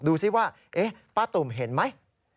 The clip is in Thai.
ซิว่าป้าตุ่มเห็นไหม